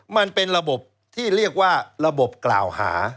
มันเป็นระบบที่เรียกว่าระบบกล่าวหา